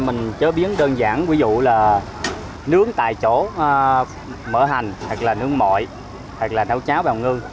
mình chế biến đơn giản ví dụ là nướng tại chỗ mỡ hành hoặc là nướng mội hoặc là nấu cháo bào ngư